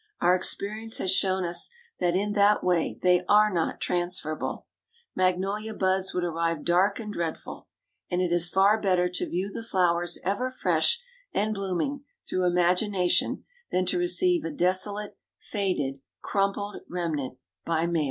Our experience has shown us that in that way they are not transferable. Magnolia buds would arrive dark and dreadful; and it is far better to view the flowers ever fresh and blooming, through imagination, than to receive a desolate, faded, crumpled remnant by mail.